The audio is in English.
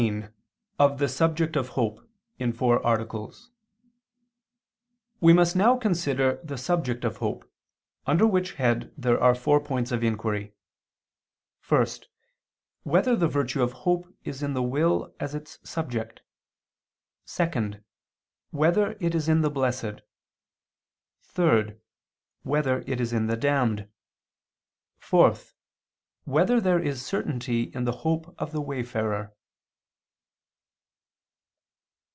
_______________________ QUESTION 18 OF THE SUBJECT OF HOPE (In Four Articles) We must now consider the subject of hope, under which head there are four points of inquiry: (1) Whether the virtue of hope is in the will as its subject? (2) Whether it is in the blessed? (3) Whether it is in the damned? (4) Whether there is certainty in the hope of the wayfarer?